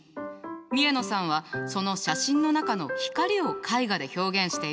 三重野さんはその写真の中の光を絵画で表現しているのよ。